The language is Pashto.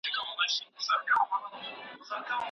تاسي تل د خپلي ټولني لپاره ګټور یاست.